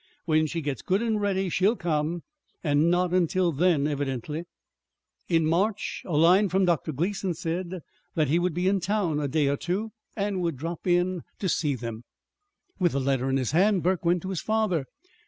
"When she gets good and ready she'll come and not until then, evidently!" In March a line from Dr. Gleason said that he would be in town a day or two, and would drop in to see them. With the letter in his hand, Burke went to his father.